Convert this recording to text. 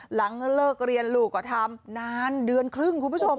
หลังเลิกเรียนลูกก็ทำนานเดือนครึ่งคุณผู้ชม